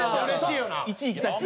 １位いきたいですね。